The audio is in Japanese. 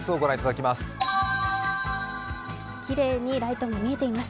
きれいにライトが見えています。